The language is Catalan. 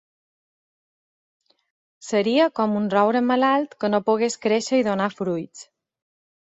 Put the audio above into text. Seria com un roure malalt que no pogués créixer i donar fruits.